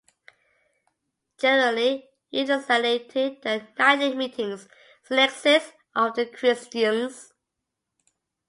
Generally it designated the nightly meetings, "synaxes", of the Christians.